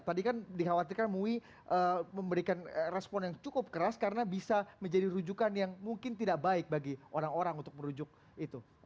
tadi kan dikhawatirkan mui memberikan respon yang cukup keras karena bisa menjadi rujukan yang mungkin tidak baik bagi orang orang untuk merujuk itu